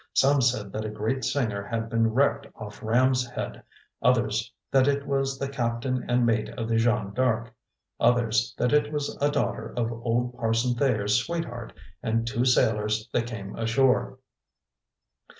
Some said that a great singer had been wrecked off Ram's Head, others that it was the captain and mate of the Jeanne D'Arc, others that it was a daughter of old Parson Thayer's sweetheart and two sailors that came ashore.